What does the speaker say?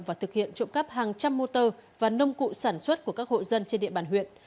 và thực hiện trộm cắp hàng trăm motor và nông cụ sản xuất của các hộ dân trên địa bàn huyện